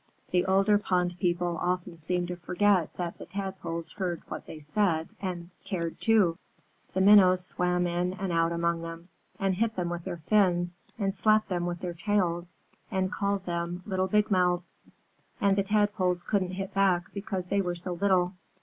The older pond people often seemed to forget that the Tadpoles heard what they said, and cared too. The Minnows swam in and out among them, and hit them with their fins, and slapped them with their tails, and called them "little big mouths," and the Tadpoles couldn't hit back because they were so little.